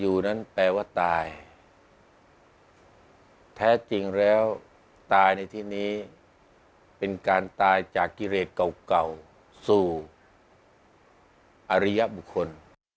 อยู่นั้นแปลว่าตายแท้จริงแล้วตายในที่นี้เป็นการตายจากกิเรทเก่าสู่อริยบุคคล